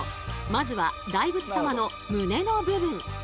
まずは大仏様の胸の部分。